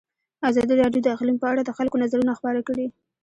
ازادي راډیو د اقلیم په اړه د خلکو نظرونه خپاره کړي.